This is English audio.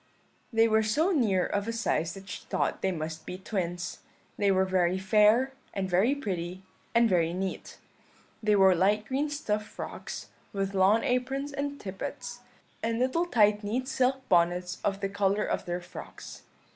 "They were so near of a size that she thought they must be twins. They were very fair, and very pretty, and very neat. They wore light green stuff frocks, with lawn aprons and tippets, and little tight neat silk bonnets of the colour of their frocks.